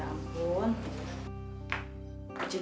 udah tidur dulu udah malem